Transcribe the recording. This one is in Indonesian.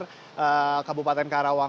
dari kabupaten karawang